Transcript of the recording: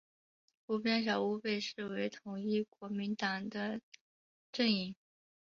湖边小屋被视为统一国民党的阵营。